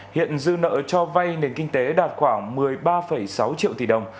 hiện dư nợ cho vay nền kinh tế đạt khoảng một mươi ba sáu triệu tỷ đồng